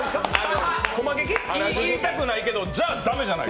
言いたくないけど、じゃあ駄目じゃない。